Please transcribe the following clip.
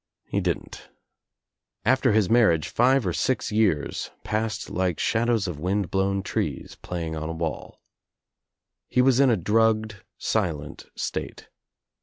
He didn't. After his marriage five or six years passed like shadows of wind blown trees playing on a wall. He was in a drugged, silent state.